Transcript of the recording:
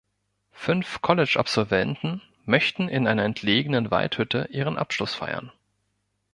Fünf College-Absolventen möchten in einer entlegenen Waldhütte ihren Abschluss feiern.